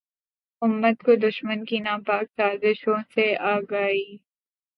امت کو دشمن کی ناپاک سازشوں سے آگاہی